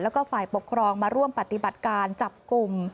แล้วก็ฝ่ายปกครองมาร่วมปฏิบัติการจับกลุ่ม